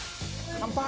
乾杯。